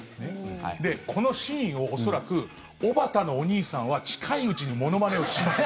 このシーンを恐らく、おばたのお兄さんは近いうちにものまねをします。